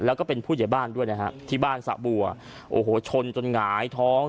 แล้วก็เป็นผู้ใหญ่บ้านด้วยนะฮะที่บ้านสะบัวโอ้โหชนจนหงายท้อง